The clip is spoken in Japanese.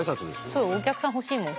そうお客さん欲しいもん。